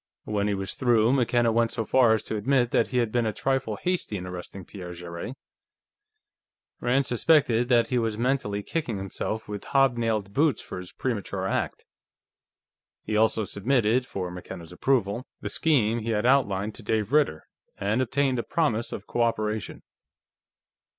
When he was through, McKenna went so far as to admit that he had been a trifle hasty in arresting Pierre Jarrett. Rand suspected that he was mentally kicking himself with hobnailed boots for his premature act. He also submitted, for McKenna's approval, the scheme he had outlined to Dave Ritter, and obtained a promise of cooperation.